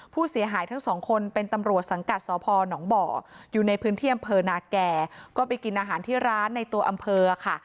ผู้เสียหายทั้งสองคนเป็นตำรวจสังกัดสพหนองบ่ออยู่ในพื้นที่อำเภอนาแก่ก็ไปกินอาหารที่ร้านในตัวอำเภอค่ะ